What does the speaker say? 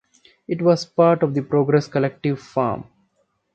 It was part of the "Progres" collective farm.